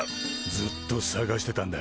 ずっとさがしてたんだ。